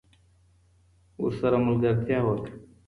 ورسره ملګرتیا وکړه